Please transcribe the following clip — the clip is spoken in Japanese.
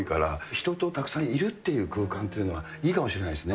人とたくさんいるという空間というのは、いいかもしれないですね。